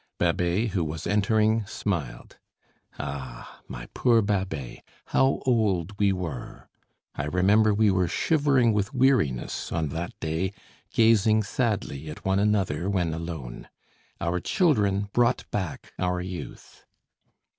Babet, who was entering, smiled. Ah! my poor Babet, how old we were! I remember we were shivering with weariness, on that day, gazing sadly at one another when alone. Our children brought back our youth.